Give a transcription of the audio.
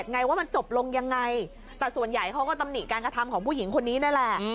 ไงว่ามันจบลงยังไงแต่ส่วนใหญ่เขาก็ตำหนิการกระทำของผู้หญิงคนนี้นั่นแหละ